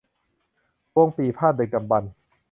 วงปี่พาทย์ดึกดำบรรพ์